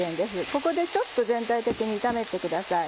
ここでちょっと全体的に炒めてください。